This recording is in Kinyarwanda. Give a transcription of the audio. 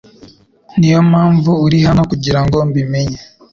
Niyompamvu uri hano kugirango mbi menye